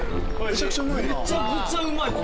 めちゃくちゃうまいな。